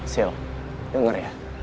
sil denger ya